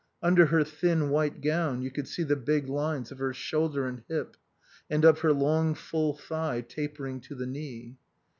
Under her thin white gown you could see the big lines of her shoulder and hip, and of her long full thigh, tapering to the knee.